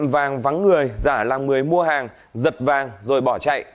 vàng vắng người giả làm người mua hàng giật vàng rồi bỏ chạy